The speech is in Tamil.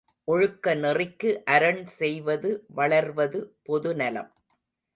ஒழுக்க நெறிக்கு அரண் செய்து வளர்வது பொதுநலம்.